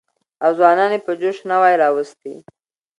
او ځوانان يې په جوش نه وى راوستي.